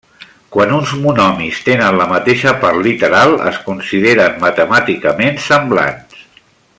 Quan uns monomis tenen la mateixa part literal es consideren matemàticament semblants.